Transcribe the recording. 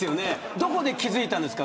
どこで気付いたんですか。